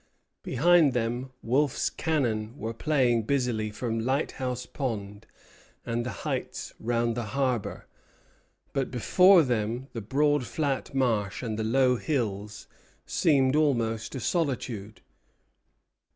Behind them Wolfe's cannon were playing busily from Lighthouse Point and the heights around the harbor; but, before them, the broad flat marsh and the low hills seemed almost a solitude.